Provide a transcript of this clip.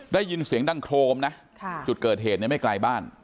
ได้ยินเสียงดังโครมนะจุดเกิดเหตุไม่ไกลบ้าน